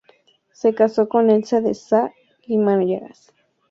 Se casó con Elza de Sá Guimarães.